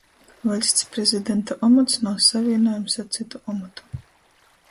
Vaļsts Prezidenta omots nav savīnojams ar cytu omotu.